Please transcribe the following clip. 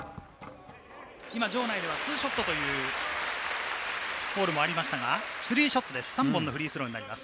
場内ではツーショットというコールもありましたが、３本のフリースローになります。